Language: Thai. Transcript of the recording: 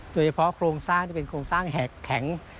โดยเฉพาะโครงสร้างที่เป็นโครงสร้างแหกแข็ง